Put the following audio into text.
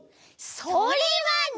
それはない！